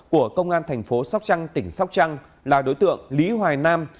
của công an thành phố sóc trăng tỉnh sóc trăng là đối tượng lý hoài nam